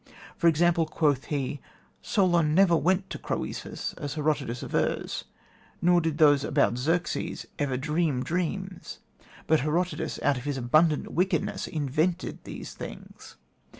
For example, quoth he, 'Solon never went to see Croesus, as Herodotus avers; nor did those about Xerxes ever dream dreams; but Herodotus, out of his abundant wickedness, invented these things.